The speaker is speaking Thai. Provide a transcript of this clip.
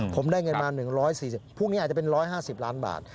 ผมได้เงินมา๑๔๐พวกนี้อาจจะเป็น๑๕๐ล้านบาท